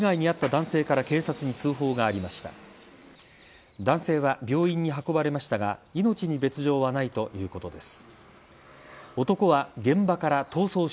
男性は病院に運ばれましたが命に別条はないということです。